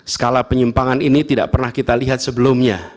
skala penyimpangan ini tidak pernah kita lihat sebelumnya